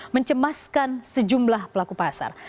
mencemaskan sejumlah pelaku pasar